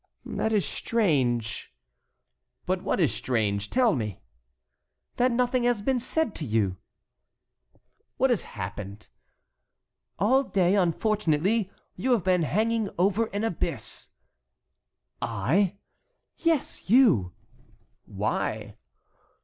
"That is strange." "But what is strange? Tell me." "That nothing has been said to you." "What has happened?" "All day, unfortunately, you have been hanging over an abyss." "I?" "Yes, you." "Why?"